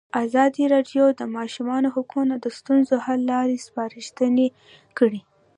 ازادي راډیو د د ماشومانو حقونه د ستونزو حل لارې سپارښتنې کړي.